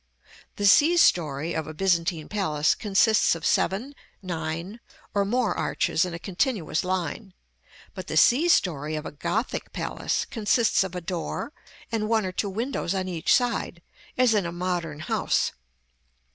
The sea story of a Byzantine palace consists of seven, nine, or more arches in a continuous line; but the sea story of a Gothic palace consists of a door and one or two windows on each side, as in a modern house.